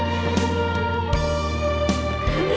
jangan lupa untuk mencoba